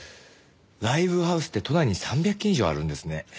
ライブハウスって都内に３００軒以上あるんですね。